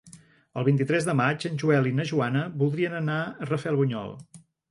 El vint-i-tres de maig en Joel i na Joana voldrien anar a Rafelbunyol.